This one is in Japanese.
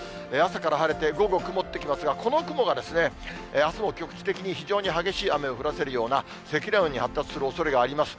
朝から晴れて、午後、曇ってきますが、この雲があすも局地的に非常に激しい雨を降らせるような積乱雲に発達するおそれがあります。